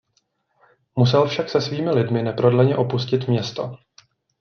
Musel však se svými lidmi neprodleně opustit město.